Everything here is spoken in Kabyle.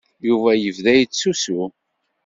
Yuba yebda yettusu.